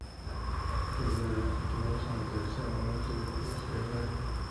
Debido a esto tuvo que someterse a una cirugía cerebral.